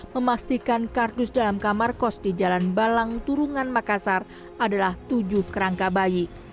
memastikan kardus dalam kamar kos di jalan balang turunan makassar adalah tujuh kerangka bayi